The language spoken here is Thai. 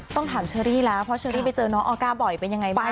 ต้องถามเชอรี่แล้วเพราะเชอรี่ไปเจอน้องออก้าบ่อยเป็นยังไงบ้าง